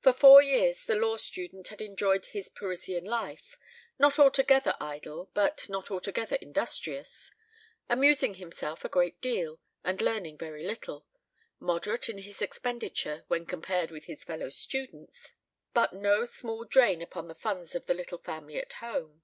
For four years the law student had enjoyed his Parisian life not altogether idle, but not altogether industrious amusing himself a great deal, and learning very little; moderate in his expenditure, when compared with his fellow students, but no small drain upon the funds of the little family at home.